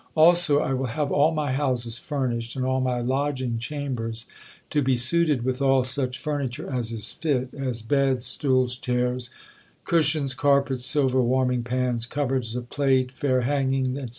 "Also, I will have all my houses furnished, and all my lodging chambers to be suited with all such furniture as is fit, as beds, stools, chairs, cushions, carpets, silver warming pans, cupboards of plate, fair hangings, etc.